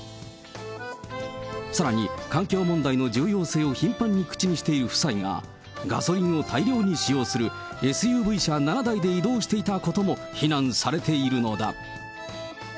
さらに環境問題の重要性を頻繁に口にしている夫妻が、ガソリンを大量に使用するＳＵＶ車７台で移動していたことも非難されているのだ。